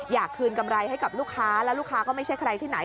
อยากคืนกำไรให้กับลูกค้าแล้วลูกค้าก็ไม่ใช่ใครที่ไหน